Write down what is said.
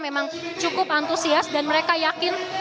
memang cukup antusias dan mereka yakin